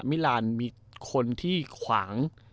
มิลานมีคนที่ขวาง